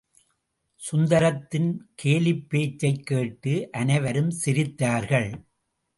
சுந்தரத்தின் கேலிப்பேச்சைக் கேட்டு அனை வரும் சிரித்தார்கள்.